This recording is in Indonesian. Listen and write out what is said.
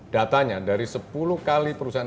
datanya dari sepuluh kali perusahaan